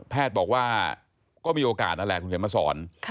แพทย์บอกว่าก็มีโอกาสนั่นแหละคุณจะมาสอน